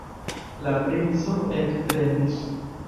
La princo ektremis.